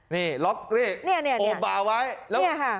นี่ล็อคนี่เนี่ยเนี่ยเนี่ยโอบาว์ไว้เนี่ยค่ะ